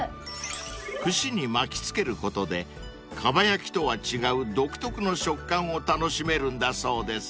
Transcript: ［串に巻きつけることでかば焼きとは違う独特の食感を楽しめるんだそうです］